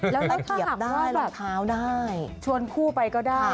แล้วถ้าหากว่าชวนคู่ไปก็ได้